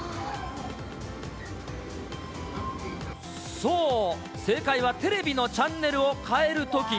そう、正解はテレビのチャンネルを変えるとき。